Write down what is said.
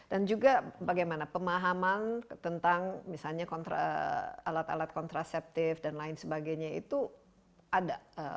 dan juga bagaimana pemahaman tentang misalnya alat alat kontraseptif dan lain sebagainya itu ada